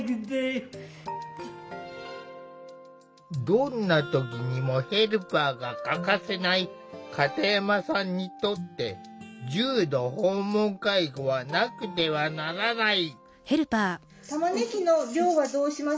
どんな時にもヘルパーが欠かせない片山さんにとって重度訪問介護はなくてはならない。